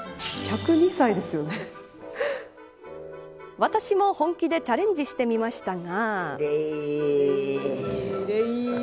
私も本気でチャレンジしてみましたが。